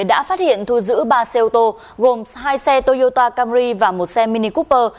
đã phát hiện thu giữ ba xe ô tô gồm hai xe toyota camry và một xe mini kuper